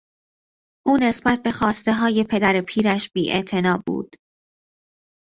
او نسبت به خواستههای پدر پیرش بیاعتنا بود.